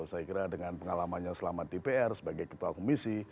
saya kira dengan pengalamannya selamat di pr sebagai ketua komisi